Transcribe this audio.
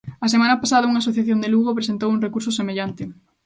A semana pasada unha asociación de Lugo presentou un recurso semellante.